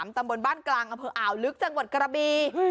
ตำบลบ้านกลางอำเภออ่าวลึกจังหวัดกระบี